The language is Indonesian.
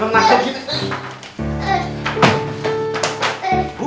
jangan berantem bu